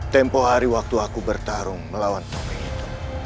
tempoh hari waktu aku bertarung melawan penopeng itu